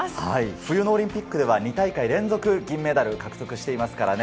冬のオリンピックでは２大会連続銀メダルを獲得していますからね。